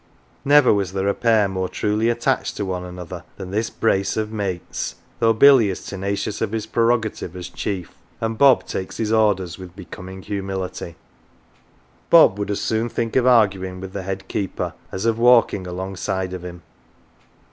Never was there a pair more truly attached to one another than this brace of "mates," though Billy is tenacious of his prerogative as chief, and Bob takes his orders with becoming humility. 259 MATES Bob would as soon think of arguing with the head keeper as of walking alongside of him.